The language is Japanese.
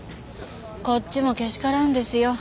こっちもけしからんですよ。